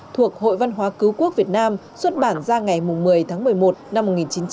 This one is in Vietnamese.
thuộc hội văn hóa cứu quốc việt nam xuất bản ra ngày một mươi tháng một mươi một năm một nghìn chín trăm bảy mươi